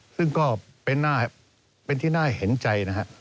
ซึ่งก็เป็นที่น่าเห็นใจนะครับ